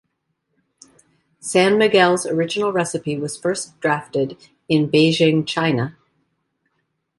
San Miguel's original recipe was first drafted in Beijing, China.